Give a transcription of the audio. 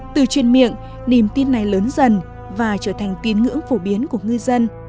từ chuyên miệng niềm tin này lớn dần và trở thành tiến ngưỡng phổ biến của ngư dân